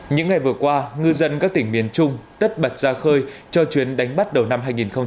những ngày vừa qua ngư dân các tỉnh miền trung tất bật ra khơi cho chuyến đánh bắt đầu năm hai nghìn hai mươi